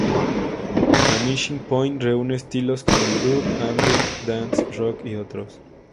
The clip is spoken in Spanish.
Vanishing Point reúne estilos como el dub, ambient, dance, rock, y otros.